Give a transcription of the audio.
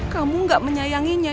kamu gak menyayanginya